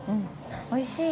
◆おいしい。